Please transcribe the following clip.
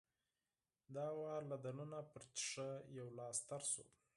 دا ځل له دننه پر ښيښه يو لاس تېر شو.